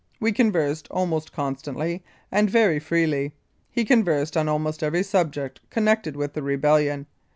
We conversed almost constantly and very freely. He conversed on almost ever; subject connected with the rebellion.